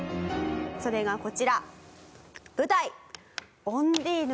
それがこちら。